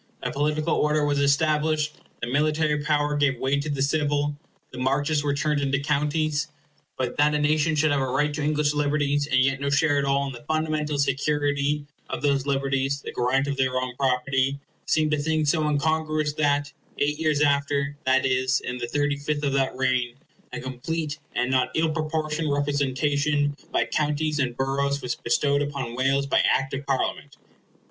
A political order was established; the military power gave way to the civil; the Marches were turned into Counties. But that a nation should have a right to English liberties, and yet no share at all in the fundamental security of these liberties—the grant of their own property—seemed a thing so incongruous that, eight years after, that is, in the thirty fifth of that reign, a complete and not ill proportioned representation by counties and boroughs was bestowed upon Wales by Act of Parliament.